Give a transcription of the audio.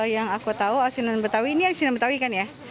yang aku tahu asinan betawi ini asinan betawi kan ya